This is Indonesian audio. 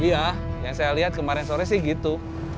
iya yang saya lihat kemarin sore sih gitu